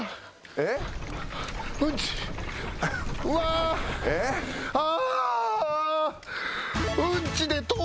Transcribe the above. えっ？ああ。